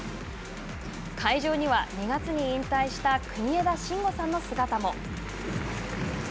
会場には２月に引退した国枝慎吾さんの姿も。